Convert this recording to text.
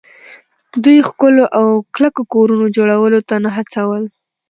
دوی ښکلو او کلکو کورونو جوړولو ته نه هڅول